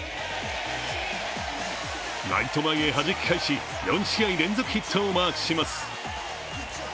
ライト前へはじき返し４試合連続ヒットをマークします。